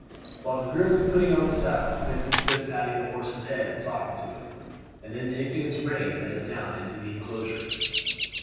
While the groom was putting on the saddle, Vincent stood patting the horse's head and talking to it, and then taking its rein led it down into the inclosure.